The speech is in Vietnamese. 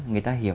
người ta hiểu